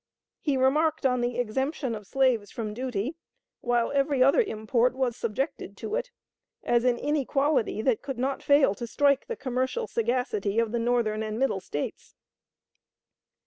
He remarked on the exemption of slaves from duty, while every other import was subjected to it, as an inequality that could not fail to strike the commercial sagacity of the Northern and Middle States."